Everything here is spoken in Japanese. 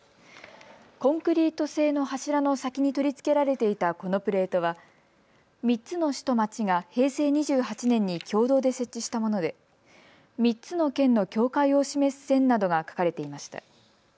コンクリート製の柱の先に取り付けられていたこのプレートは３つの市と町が平成２８年に共同で設置したもので３つの県の境界を示す線などが書かれていました。